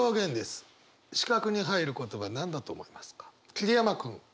桐山君。